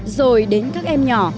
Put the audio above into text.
rồi đến các em nhỏ